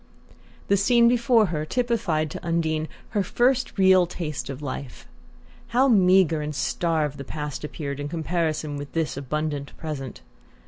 The scene before her typified to Undine her first real taste of life. How meagre and starved the past appeared in comparison with this abundant present!